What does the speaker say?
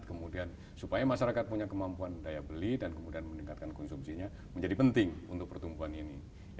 kemudian supaya masyarakat punya kemampuan daya beli dan kemudian meningkatkan konsumsinya menjadi penting untuk pertumbuhan ini